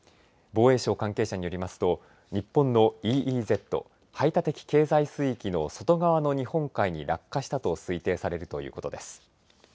防衛省関係者によりますと日本のＥＥＺ・排他的経済水域の外側の日本海に落下したと推定されるということです。